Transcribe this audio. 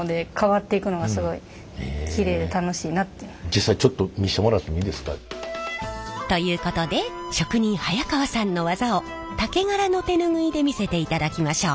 実際ちょっと見せてもらってもいいですか？ということで職人早川さんの技を竹柄の手ぬぐいで見せていただきましょう。